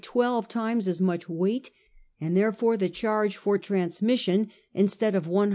95 twelve times as much weight, and therefore the charge for transmission, instead of 100,000